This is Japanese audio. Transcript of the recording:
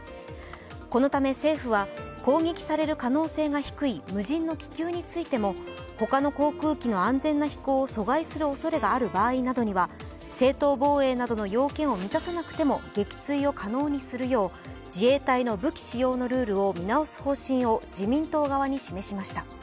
このため政府は、攻撃される可能性が低い無人の気球についても他の航空機の安全な飛行を阻害するおそれがある場合などには正当防衛などの要件を満たさなくても撃墜を可能にするよう自衛隊の武器使用のルールを見直す方針を自民党側に示しました。